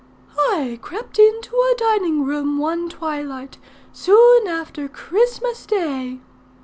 "I crept into a dining room, one twilight, soon after Christmas day.